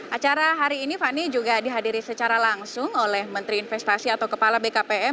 acara hari ini fani juga dihadiri secara langsung oleh menteri investasi atau kepala bkpm